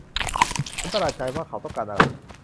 ฉันประหลาดใจว่าเขาต้องการอะไร